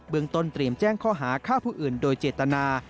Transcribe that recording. เมืองต้นเตรียมแจ้งข้อหาฆ่าผู้อื่นโดยเจตนา